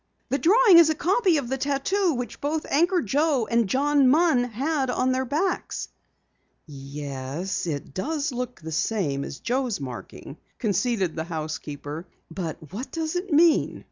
The drawing is a copy of the tattoo which both Anchor Joe and John Munn had on their backs!" "Yes, it does look the same as Joe's marking," conceded the housekeeper. "But what does it mean?